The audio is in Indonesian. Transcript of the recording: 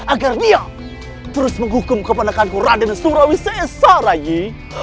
agar dia terus menghukum keponakan ku raden surawi sesarai